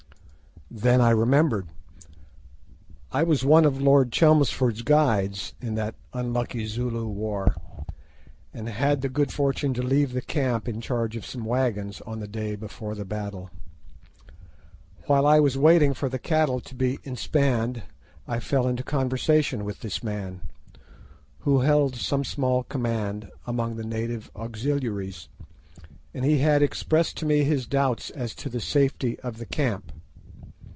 Then I remembered. I was one of Lord Chelmsford's guides in that unlucky Zulu War, and had the good fortune to leave the camp in charge of some wagons on the day before the battle. While I was waiting for the cattle to be inspanned I fell into conversation with this man, who held some small command among the native auxiliaries, and he had expressed to me his doubts as to the safety of the camp.